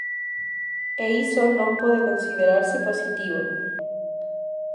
E iso non pode considerarse positivo.